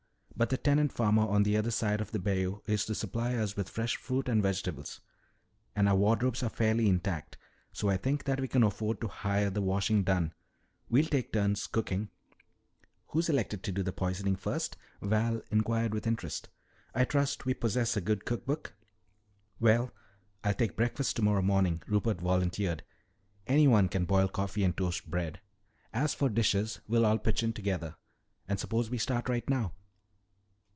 But the tenant farmer on the other side of the bayou is to supply us with fresh fruit and vegetables. And our wardrobes are fairly intact. So I think that we can afford to hire the washing done. We'll take turns cooking " "Who's elected to do the poisoning first?" Val inquired with interest. "I trust we possess a good cook book?" "Well, I'll take breakfast tomorrow morning," Rupert volunteered. "Anyone can boil coffee and toast bread. As for dishes, we'll all pitch in together. And suppose we start right now."